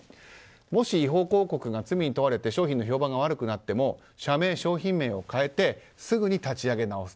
もし違法広告が罪に問われて商品の評判が悪くなっても社名、商品名を変えてすぐに立ち上げ直す。